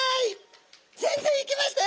全然いけましたよ！